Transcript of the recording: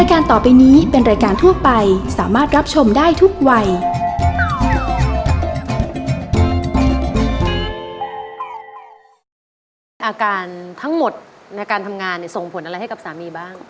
อาการทั้งหมดในการทำงานส่งผลอะไรให้กับสามีบ้าง